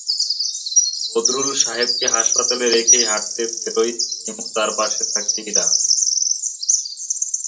বদরুল সাহেবকে হাসপাতালে রেখেই হাঁটতে বেরোয় হিমু তার পাশে থাকে ইরা।